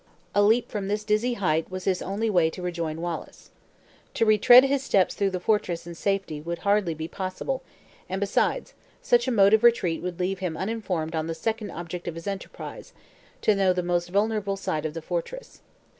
A leap from this dizzy height was his only way to rejoin Wallace. To retread his steps through the fortress in safety would hardly be possible, and, besides, such a mode of retreat would leave him uninformed on the second object of his enterprise to know the most vulnerable side of the fortress.